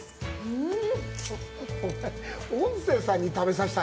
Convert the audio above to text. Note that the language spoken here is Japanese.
うん！